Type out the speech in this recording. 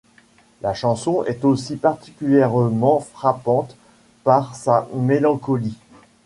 La chanson est aussi particulièrement frappante par sa mélancolie.